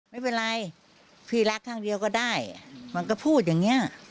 ไม่เป็นไรพี่รักข้างเดียวก็ได้มันก็พูดอย่างนี้